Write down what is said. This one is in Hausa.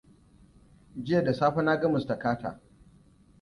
Jiya da safe na ga Mr. Carter.